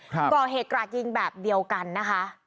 ก่อเหตุกราดยิงแบบเดียวกันนะคะ